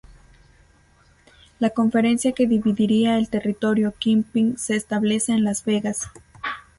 La conferencia que dividiría el territorio Kingpin se establece en Las Vegas.